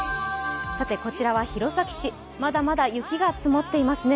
こちらは弘前市、まだまだ雪が積もっていますね。